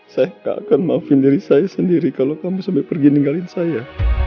saya gak akan maafin diri saya sendiri kalau kamu sampai pergi ninggalin saya